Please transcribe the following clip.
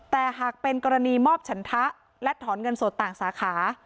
แต่หากเป็นกรณีมอบฉันทะและถอนเงินสดต่างสาขา